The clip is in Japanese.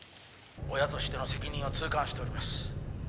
「親としての責任を痛感しております」